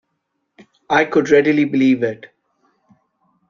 I could readily believe it.